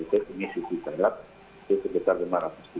itu kondisinya memang nanti kalau malam mereka turun